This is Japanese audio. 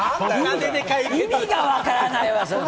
意味が分からないわ。